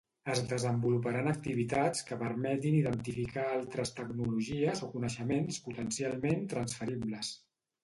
Es desenvoluparan activitats que permetin identificar altres tecnologies o coneixements potencialment transferibles.